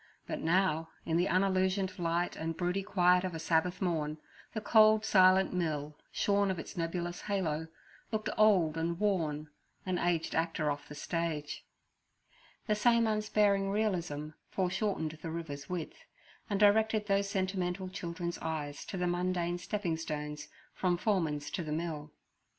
But now, in the unillusioned light and broody quiet of a Sabbath morn, the cold, silent mill, shorn of its nebulous halo, looked old and worn—an aged actor off the stage. The same unsparing realism foreshortened the river's width, and directed those sentimental children's eyes to the mundane stepping stones from Foreman's to the mill.